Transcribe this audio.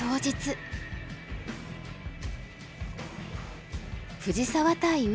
藤沢対上野。